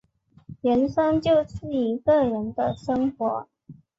人生就是一个人的生活